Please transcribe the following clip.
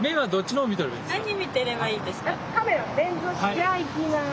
じゃあいきます。